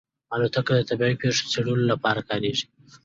الوتکه د طبیعي پېښو څېړلو لپاره کارېږي.